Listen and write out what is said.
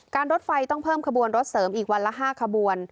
รถไฟต้องเพิ่มขบวนรถเสริมอีกวันละ๕ขบวน